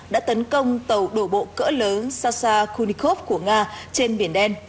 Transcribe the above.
đã tấn công tàu đổ bộ cỡ lớn sasa kunikov của nga trên biển đen